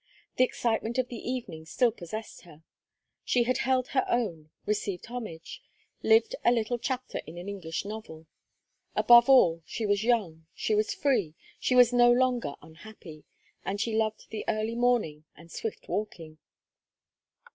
The excitement of the evening still possessed her; she had held her own, received homage, lived a little chapter in an English novel; above all, she was young, she was free, she was no longer unhappy; and she loved the early morning and swift walking.